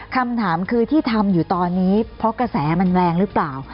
คำถามคือที่ทำอยู่ตอนนี้เพราะกระแสมันแรงหรือเปล่า